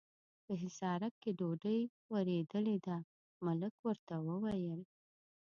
په حصارک کې ډوډۍ ورېدلې ده، ملک ورته وویل.